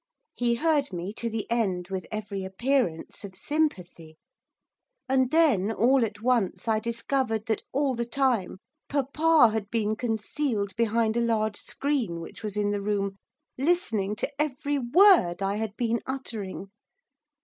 He heard me to the end with every appearance of sympathy, and then all at once I discovered that all the time papa had been concealed behind a large screen which was in the room, listening to every word I had been uttering.